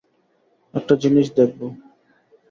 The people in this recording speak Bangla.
একটা জিনিস দেখবো।